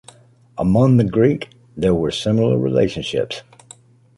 Among the Greek, there were similar relationships.